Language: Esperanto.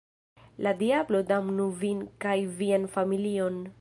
La diablo damnu vin kaj vian familion!